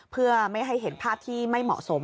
เพื่อไม่ให้เห็นภาพที่ไม่เหมาะสม